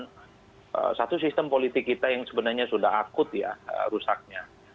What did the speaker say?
dan satu sistem politik kita yang sebenarnya sudah akut ya rusaknya